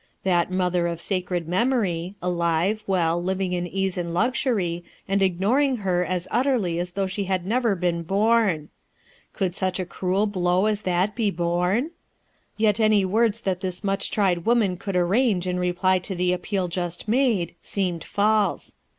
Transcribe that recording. That mother of sacred memory, alive, well, living in ease and luxury and ignoring her as utterly as though she had never been born ! Could such a cruel blow as that be borne! Yet any words that this much tried woman could arrange in reply to the appeal just made, seemed false.